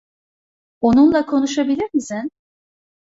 Onunla konuşabilir misin?